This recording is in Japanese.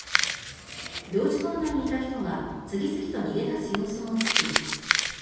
領事館内にいた人が次々と逃げ出す様子も映っています。